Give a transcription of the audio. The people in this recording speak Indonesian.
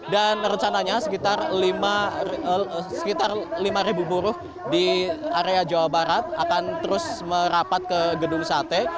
dan rencananya sekitar lima buruh di area jawa barat akan terus merapat ke gedung sate